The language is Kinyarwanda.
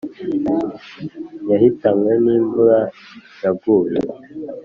Yahitanywe n’imvura yaguye